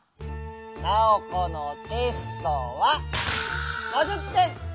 ナオコのテストは５０てん！